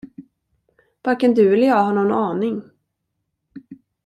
Varken du eller jag har någon aning.